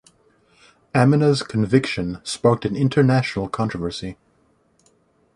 Amina's conviction sparked an international controversy.